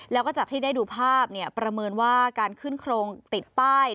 แล้วก็จากที่ได้ดูภาพเนี่ยประเมินว่าการขึ้นโครงติดป้าย